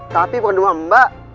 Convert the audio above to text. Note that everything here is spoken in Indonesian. tapi bukan rumah mbak